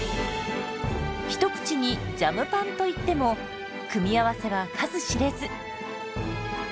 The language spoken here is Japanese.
一口に「ジャムパン」といっても組み合わせは数知れず。